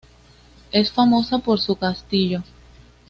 Es famosa por su castillo.